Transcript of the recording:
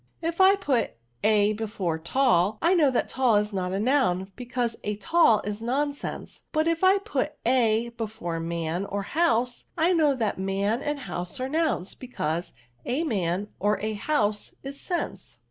If I put a before tally I know that tall is not a noun, because a tall is nonsense; but if I put a before man or homey I know that man and house are nouns, because a many or a house, is sense.